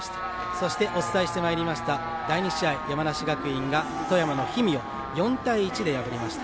そしてお伝えしてまいりました山梨学院が富山の氷見を４対１で破りました。